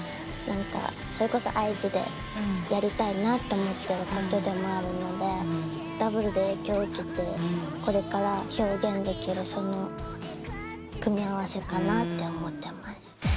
それこそＩ’ｓでやりたいなと思ってることでもあるのでダブルで影響を受けてこれから表現できる組み合わせかなって思ってます。